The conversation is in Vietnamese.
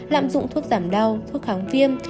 lạm dụng thuốc giảm đau thuốc kháng viêm